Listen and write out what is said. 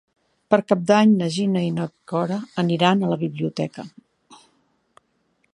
Per Cap d'Any na Gina i na Cora aniran a la biblioteca.